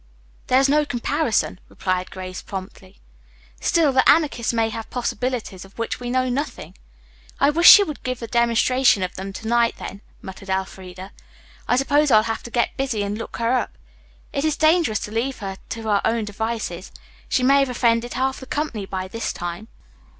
"There is no comparison," replied Grace promptly. "Still, the Anarchist may have possibilities of which we know nothing." "I wish she would give a demonstration of them to night then," muttered Elfreda. "I suppose I'll have to get busy and look her up. It is dangerous to leave her to her own devices. She may have offended half the company by this time."